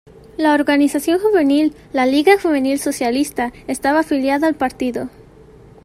La organización juvenil, la Liga Juvenil Socialista, estaba afiliada al partido.